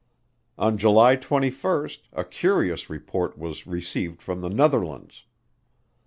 On July 21 a curious report was received from the Netherlands.